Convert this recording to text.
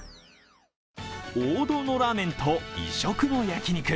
王道のラーメンと異色の焼き肉。